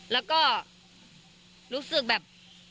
แล้วก็รู้สึกแบบ